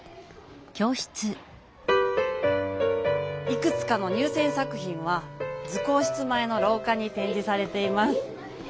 いくつかの入せん作品は図工室前のろうかにてんじされています。